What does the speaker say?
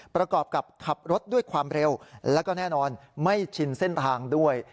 ประกอบกับขับรถด้วยความเร็วแล้วก็แน่นอนไม่ชินเส้นทางด้วย